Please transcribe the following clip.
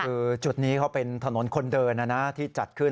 คือจุดนี้เขาเป็นถนนคนเดินนะนะที่จัดขึ้น